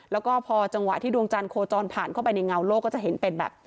แล้วก็พอจังหวะที่ดวงจันทร์โคจรผ่านเข้าไปในเงาโลกก็จะเห็นเป็นแบบ